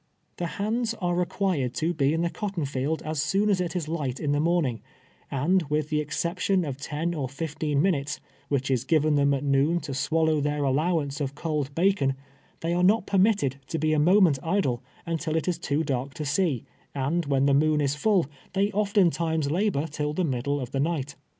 The hands are required to be in the cotton field as soon as it is light in the morning, and, with the ex ception of ten or fifteen minutes, which is given them at noon to swallow their allowance of cold bacon, they are not permitted to be a moment idle until it is too dark to see, and when the moon is full, they often times labor till the middle of the night.